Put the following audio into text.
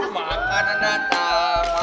makanan datang makanan datang